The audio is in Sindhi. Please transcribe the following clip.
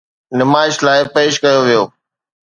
نمائش لاءِ پيش ڪيو ويو.